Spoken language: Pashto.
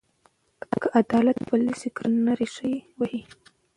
که عدالت پلی شي، کرکه نه ریښې وهي.